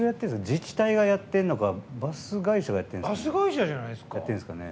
自治体がやってるのかバス会社がやってるんですかね。